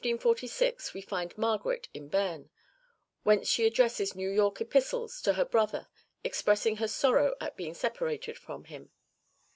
In 1545 and 1546 we find Margaret in Beam, whence she addresses New Year epistles to her brother expressing her sorrow at being separated from him.